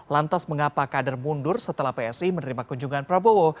lantas mengapa kader mundur setelah psi menerima kunjungan prabowo